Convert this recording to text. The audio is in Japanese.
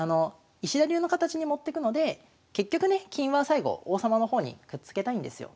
石田流の形に持ってくので結局ね金は最後王様の方にくっつけたいんですよ。